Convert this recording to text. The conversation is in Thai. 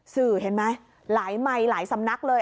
สื่อเห็นไหมหลายไมค์หลายสำนักเลย